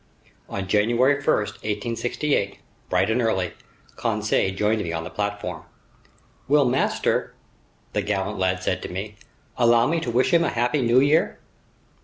On January 1, 1868, bright and early, Conseil joined me on the platform. "Will master," the gallant lad said to me, "allow me to wish him a happy new year?"